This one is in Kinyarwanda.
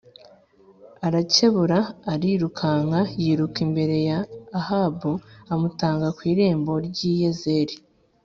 aracebura arirukanka, yiruka imbere ya Ahabu amutanga ku irembo ry’i Yezerēli